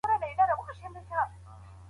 اوبه څنګه تعقیم کیږي؟